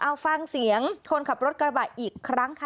เอาฟังเสียงคนขับรถกระบะอีกครั้งค่ะ